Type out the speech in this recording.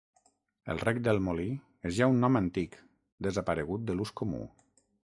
El Rec del Molí és ja un nom antic, desaparegut de l'ús comú.